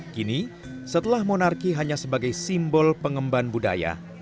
kini setelah monarki hanya sebagai simbol pengemban budaya